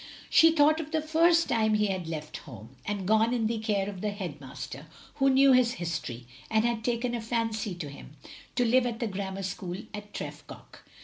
She thought of the first time he had left home, and gone, in the care of the head master, who knew his history, and had taken a fancy to him, to live at the grammar school at Tref goch.